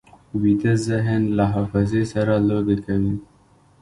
ویده ذهن له حافظې سره لوبې کوي